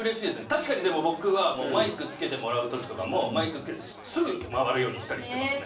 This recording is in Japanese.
確かにでも僕はマイク着けてもらう時とかもすぐ回るようにしたりしてますね。